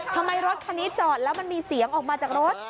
รถคันนี้จอดแล้วมันมีเสียงออกมาจากรถ